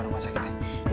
di rumah sakit lagi ya